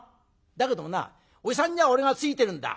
だけどもなおじさんには俺がついてるんだ。